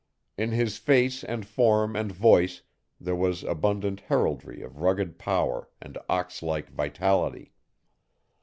In his face and form and voice there was abundant heraldry of rugged power and ox like vitality.